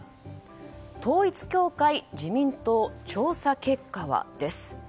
統一教会、自民党調査結果は？です。